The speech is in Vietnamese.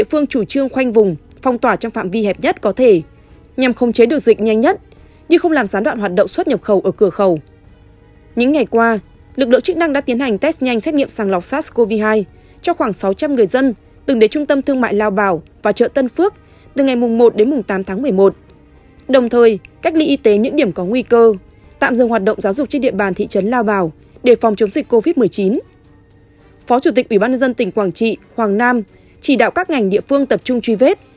phó chủ tịch ubnd tỉnh quảng trị hoàng nam chỉ đạo các ngành địa phương tập trung truy vết